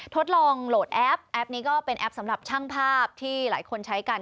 ทดลองโหลดแอปแอปนี้ก็เป็นแอปสำหรับช่างภาพที่หลายคนใช้กัน